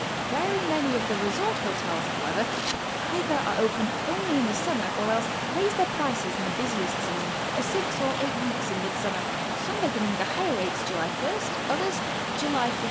Very many of the resort hotels, however, either are open only in the summer or else raise their prices in the busiest season, for six or eight weeks in mid summer, some beginning the higher rates July t, others July 15.